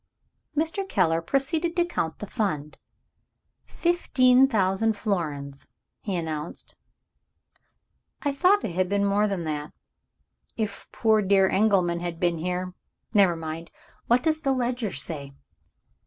Mr. Keller proceeded to count the Fund. "Fifteen thousand florins," he announced. "I thought it had been more than that. If poor dear Engelman had been here Never mind! What does the ledger say?"